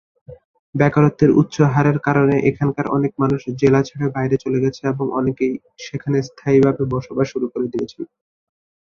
বেকারত্বের উচ্চ হারের কারণে এখানকার অনেক মানুষ জেলা ছেড়ে বাইরে চলে গেছে এবং অনেকেই সেখানে স্থায়ীভাবে বসবাস শুরু করে দিয়েছেন।